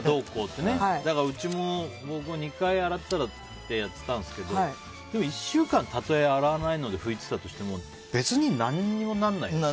だからうちも２回洗ったらってやってたんですけどやってたんですけど１週間たとえ洗わないで拭いてたとしても別に何にもなんないよね。